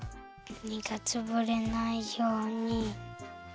みがつぶれないように。